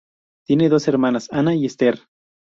Tiene dos hermanas, Ana y Esther.